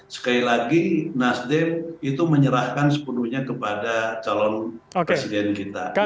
sekali lagi nasdem itu menyerahkan sepenuhnya kepada calon presiden kita